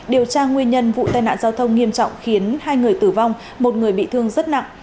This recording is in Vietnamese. điều tra nguyên nhân vụ tai nạn giao thông nghiêm trọng khiến hai người tử vong một người bị thương rất nặng